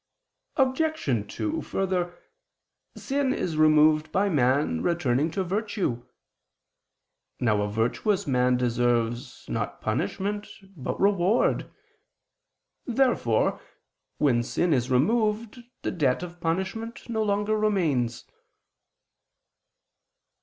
Obj. 2: Further, sin is removed by man returning to virtue. Now a virtuous man deserves, not punishment, but reward. Therefore, when sin is removed, the debt of punishment no longer remains.